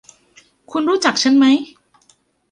คุณรู้จักฉันไหม